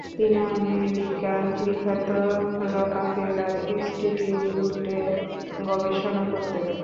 তিনি আমেরিকার বিখ্যাত রকাফেলার ইনস্টিটিউটে গবেষণা করতেন।